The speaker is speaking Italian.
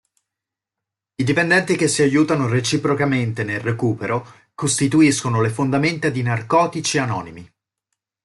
I dipendenti che si aiutano reciprocamente nel recupero costituiscono le fondamenta di Narcotici Anonimi.